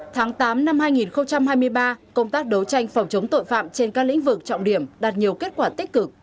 tháng tám năm hai nghìn hai mươi ba công tác đấu tranh phòng chống tội phạm trên các lĩnh vực trọng điểm đạt nhiều kết quả tích cực